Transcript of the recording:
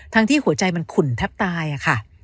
ที่หัวใจมันขุ่นแทบตายค่ะ